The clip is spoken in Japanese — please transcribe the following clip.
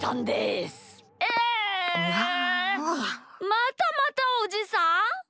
またまたおじさん？